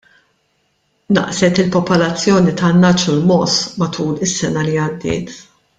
Naqset il-popolazzjoni tan-nagħaġ u l-mogħoż matul is-sena li għaddiet.